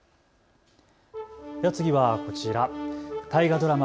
次はこちら、大河ドラマ